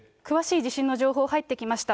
詳しい地震の情報入ってきました。